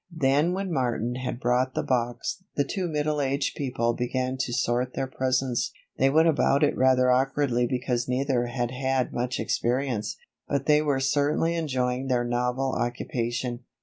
Then when Martin had brought the box, the two middle aged people began to sort their presents. They went about it rather awkwardly because neither had had much experience; but they were certainly enjoying their novel occupation.